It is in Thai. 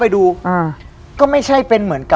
ผู้อื่นเห็นมะ